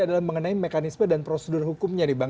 adalah mengenai mekanisme dan prosedur hukumnya nih bang